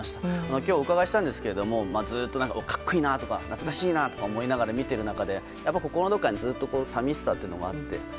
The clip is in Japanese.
今日お伺いしたんですがずっと格好いいなと懐かしいなと思いながら見ている中で心のどこかにずっと寂しさがあって。